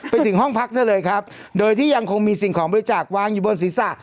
ไปถึงห้องพักซะเลยครับโดยที่ยังคงมีสิ่งของบริจาควางอยู่บนศีรษะ